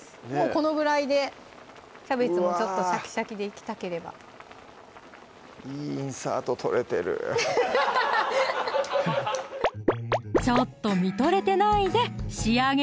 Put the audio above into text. このぐらいでキャベツもちょっとシャキシャキでいきたければいいインサート撮れてるちょっとみとれてないで仕上げ！